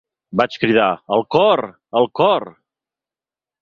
Vaig cridar: “El cor, el cor!”.